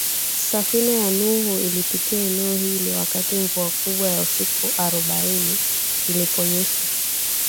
Safina ya Nuhu ilipita eneo hili wakati mvua kubwa ya siku arobaini iliponyesha